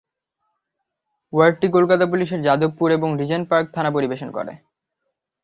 ওয়ার্ডটি কলকাতা পুলিশের যাদবপুর এবং Regent Park থানা পরিবেশন করে।